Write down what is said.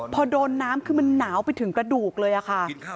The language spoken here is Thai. พอโดนน้ำคือมันหนาวไปถึงกระดูกเลยค่ะ